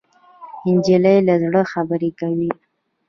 نجلۍ له زړه خبرې کوي.